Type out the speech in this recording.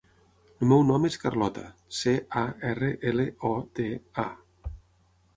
El meu nom és Carlota: ce, a, erra, ela, o, te, a.